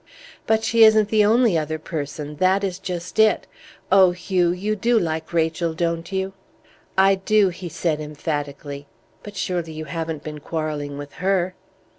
"But she isn't the only other person; that is just it. Oh, Hugh, you do like Rachel, don't you?" "I do," he said emphatically. "But surely you haven't been quarrelling with her?"